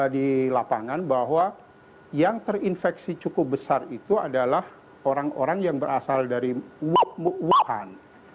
di lapangan bahwa yang terinfeksi cukup besar itu adalah orang orang yang berasal dari wuhan